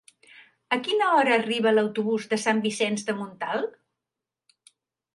A quina hora arriba l'autobús de Sant Vicenç de Montalt?